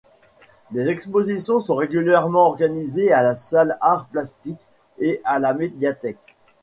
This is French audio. Des expositions sont régulièrement organisées à la Salle Arts Plastiques et à la médiathèque.